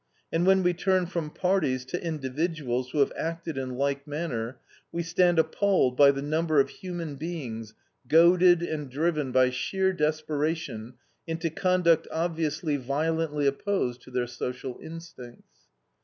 And when we turn from parties to individuals who have acted in like manner, we stand appalled by the number of human beings goaded and driven by sheer desperation into conduct obviously violently opposed to their social instincts.